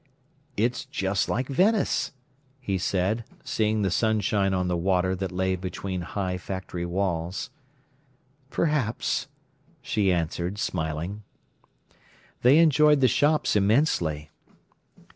"It's just like Venice," he said, seeing the sunshine on the water that lay between high factory walls. "Perhaps," she answered, smiling. They enjoyed the shops immensely.